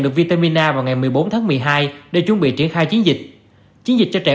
được vitaminna vào ngày một mươi bốn tháng một mươi hai để chuẩn bị triển khai chiến dịch chiến dịch cho trẻ